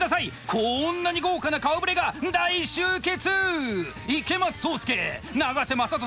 こんなに豪華な顔ぶれが大集結！